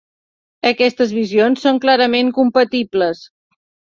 Aquestes visions són clarament compatibles.